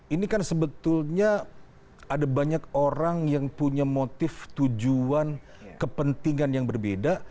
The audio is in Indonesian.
ini kan sebetulnya ada banyak orang yang punya motif tujuan kepentingan yang berbeda